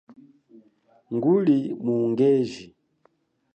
Nguli mu ungeji.